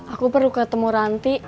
aku perlu ke temuranti